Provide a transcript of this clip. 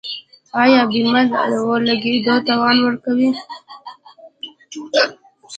آیا بیمه د اور لګیدو تاوان ورکوي؟